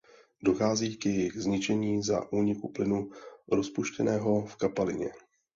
Dochází k jejich zničení za úniku plynu rozpuštěného v kapalině.